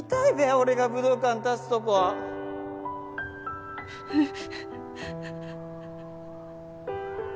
俺が武道館立つとこうっううっ